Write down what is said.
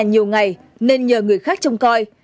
nhiều ngày nên nhờ người khác trông coi